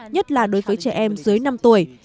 nhất là đối với trẻ em dưới năm tuổi